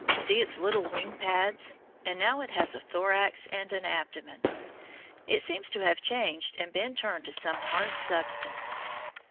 See its little wing pads. And now it has a thorax and an abdomen. It seems to have changed and been turned to some hard substance.